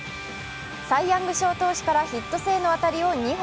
サイ・ヤング賞投手からヒット性の当たりを２本。